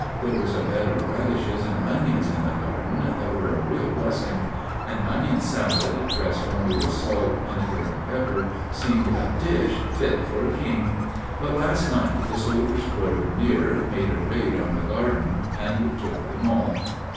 There was a bed of radishes and onions in the garden that were a real blessing. An onion salad, dressed only with salt, vinegar, and pepper, seemed a dish fit for a king; but last night the soldiers quartered near made a raid on the garden and took them all.